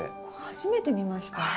初めて見ました。